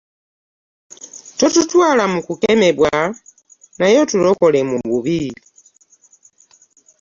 Totutwala mu kukemebwa naye otulokole mu bubi.